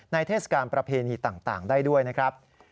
เทศกาลประเพณีต่างได้ด้วยนะครับ